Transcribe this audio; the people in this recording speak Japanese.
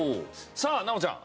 さあ奈央ちゃん。